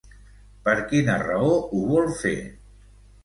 Per quina raó ho vol fer?